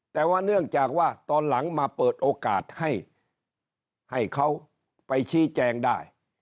แต่ว่าเนื่องจากว่าตอนหลังมาเปิดโอกาสให้เขาไปชี้แจงได้